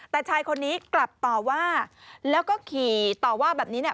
แต่ชายคนนี้กลับต่อว่าแล้วก็ขี่ต่อว่าแบบนี้เนี่ย